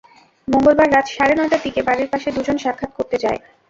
মঙ্গলবার রাত সাড়ে নয়টার দিকে বাড়ির পাশে দুজন সাক্ষাৎ করতে যায়।